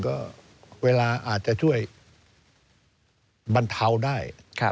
ก็เวลาอาจจะช่วยบรรเทาได้